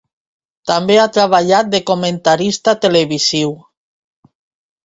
També ha treballat de comentarista televisiu.